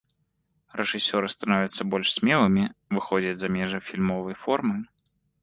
Рэжысёры становяцца больш смелымі, выходзяць за межы фільмовай формы.